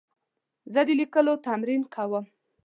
زه د لیکلو تمرین کوم.